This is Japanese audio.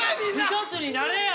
一つになれや！